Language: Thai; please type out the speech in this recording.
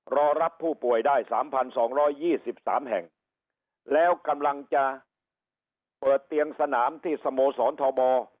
รอรับผู้ป่วยได้๓๒๒๓แห่งแล้วกำลังจะเปิดเตียงสนามที่สโมสรทบ